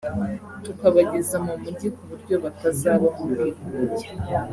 tukabageza mu mujyi ku buryo batazaba mu bwigunge